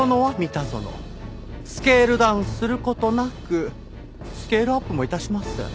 スケールダウンする事なくスケールアップも致しません。